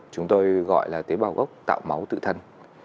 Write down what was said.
chúng tôi gọi là tế bào gốc tạo máu tự thân